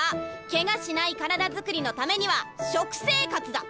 ケガしない体作りのためには食生活だ！